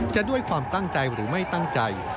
จะด้วยความตั้งใจหรือไม่ตั้งใจ